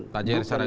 pak jr saragi